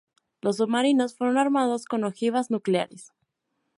Los submarinos fueron armados con ojivas nucleares.